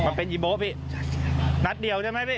มาเป็นยีโบ๊ะพี่นัดเดียวใช่ไหมพี่